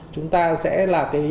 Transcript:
chúng ta sẽ là